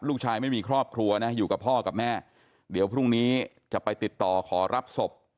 ไม่มีครอบครัวนะอยู่กับพ่อกับแม่เดี๋ยวพรุ่งนี้จะไปติดต่อขอรับศพ